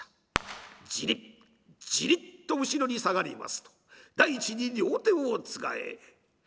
ジリッジリッと後ろに下がりますと大地に両手をつかえ。